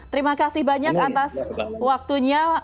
terima kasih banyak atas waktunya